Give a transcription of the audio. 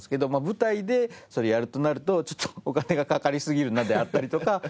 舞台でそれをやるとなるとちょっとお金が掛かりすぎるなであったりとか。